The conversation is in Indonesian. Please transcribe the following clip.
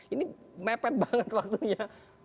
ini mepet banget waktunya